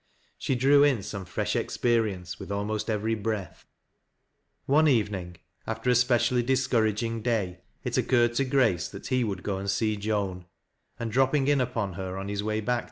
She drew in some fresh experience with almost every breath. One evening, after a specially discouraging day, il w curred to Grace that he would go and see Joan ; sc]i A DI8G0YEB7. 113 dropping in upon her on his way baci.